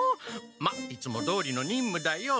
まっいつもどおりの任務だよ。